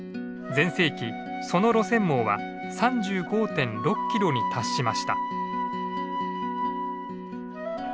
全盛期その路線網は３５．６キロに達しました。